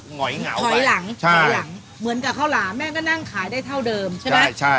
หอยเหงาหอยหลังถอยหลังเหมือนกับข้าวหลามแม่ก็นั่งขายได้เท่าเดิมใช่ไหม